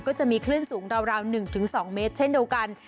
ก็จะมีคลื่นสูงราว๑๒เมตรเช่นเดียวกัน